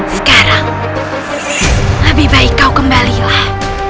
sekarang lebih baik kau kembalilah